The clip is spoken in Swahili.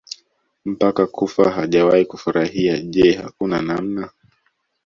mpaka kufa hawajawahi kufurahia Je hakuna namna